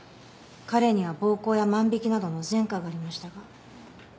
彼には暴行や万引きなどの前科がありましたが。